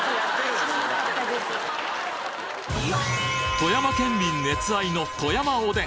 富山県民熱愛の富山おでん